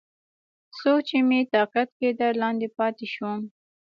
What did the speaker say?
څو چې مې طاقت کېده، لاندې پاتې شوم.